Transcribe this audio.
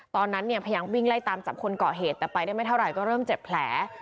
ตอนนั้นเนี่ยพยายามวิ่งไล่ตามจับคนเกาะเหตุแต่ไปได้ไม่เท่าไหร่ก็เริ่มเจ็บแผล